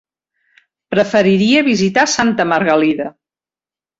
Preferiria visitar Santa Margalida.